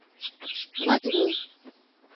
— Матвуй...